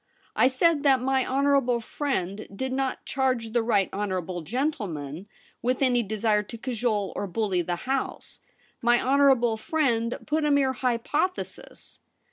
I said that my honourable friend did not charge the right honourable gentleman with any desire to cajole or bully the House. My honourable friend put a mere hypothesis.'